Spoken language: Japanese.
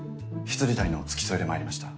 未谷の付き添いで参りました。